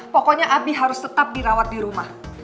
pokoknya abi harus tetap dirawat di rumah